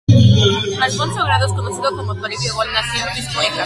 Alfonso Grados, conocido como "Toribio Gol", nació en Pisco, Ica.